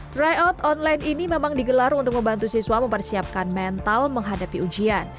tryout online ini memang digelar untuk membantu siswa mempersiapkan mental menghadapi ujian